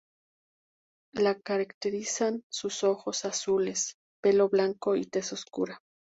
La caracterizan sus ojos azules, pelo blanco y tez oscura.